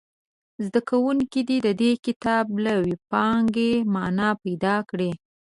زده کوونکي دې د دې کتاب له وییپانګې معنا پیداکړي.